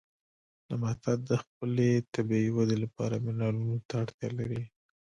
نباتات د خپلې طبیعي ودې لپاره منرالونو ته اړتیا لري.